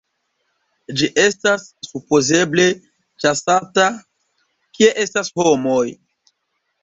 Ĝi estas supozeble ĉasata kie estas homoj.